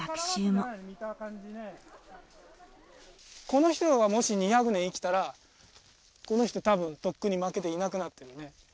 この人がもし２００年生きたらこの人多分とっくに負けていなくなっているね。